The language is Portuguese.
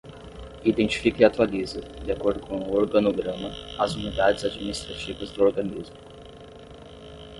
Identifica e atualiza, de acordo com o organograma, as unidades administrativas do organismo.